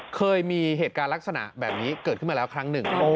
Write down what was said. เคยมีเหตุการณ์ลักษณะแบบนี้เกิดขึ้นมาแล้วครั้งหนึ่ง